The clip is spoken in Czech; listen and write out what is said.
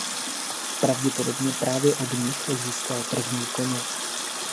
Pravděpodobně právě od nich získali první koně.